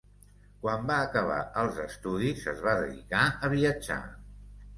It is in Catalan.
Quan va acabar els estudis es va dedicar a viatjar.